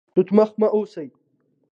توت مخ مه اوسئ